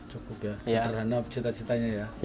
cetarhanap cita citanya ya